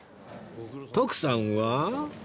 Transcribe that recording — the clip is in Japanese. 徳さんは